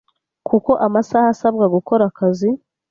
kuko amasaha asabwa gukora akazi